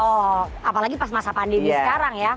oh apalagi pas masa pandemi sekarang ya